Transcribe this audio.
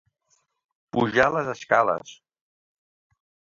Pujar les escales.